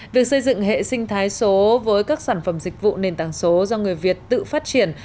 việc xây dựng hệ sinh thái số với các sản phẩm dịch vụ nền tảng số do người việt tự phát triển